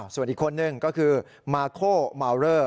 ส่วนอีกคนนึงก็คือมาโคมาวเรอ